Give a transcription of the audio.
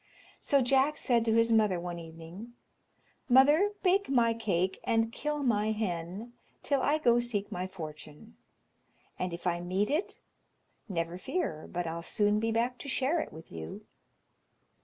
So Jack said to his mother one evening, "Mother, bake my cake, and kill my hen, till I go seek my fortune; and if I meet it, never fear but I'll soon be back to share it with you."